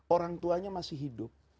orang tuanya masih hidup